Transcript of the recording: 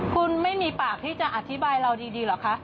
คุณไม่มีปากที่จะอธิบายเราดีเหรอคะ